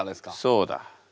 そうだ。